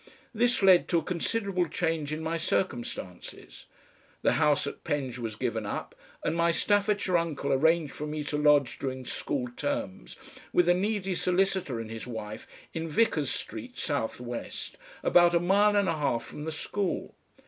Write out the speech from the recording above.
This led to a considerable change in my circumstances; the house at Penge was given up, and my Staffordshire uncle arranged for me to lodge during school terms with a needy solicitor and his wife in Vicars Street, S. W., about a mile and a half from the school.